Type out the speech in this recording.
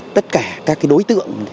tất cả các đối tượng